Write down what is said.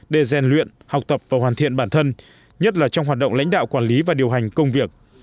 để rèn luyện học tập và hoàn thiện bản thân nhất là trong hoạt động lãnh đạo quản lý và điều hành công việc